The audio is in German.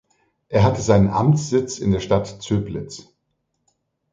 Es hatte seinen Amtssitz in der Stadt Zöblitz.